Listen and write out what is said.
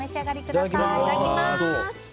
いただきます！